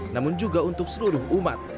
namun juga untuk seluruh umat